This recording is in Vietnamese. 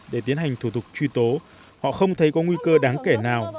để tiến hành thủ tục truy tố họ không thấy có nguy cơ đáng kể nào